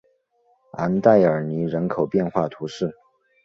昂代尔尼人口变化图示